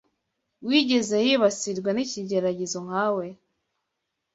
wigeze yibasirwa n’ikigeragezo nka we